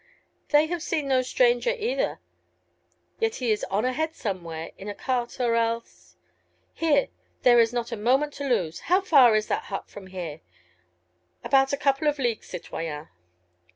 "They have seen no stranger either." "Yet he is on ahead somewhere, in a cart or else .... Here! there is not a moment to lose. How far is that hut from here?" "About a couple of leagues, citoyen."